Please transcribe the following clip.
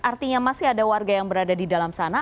artinya masih ada warga yang berada di dalam sana